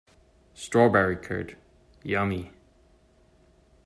Strawberry curd, yummy!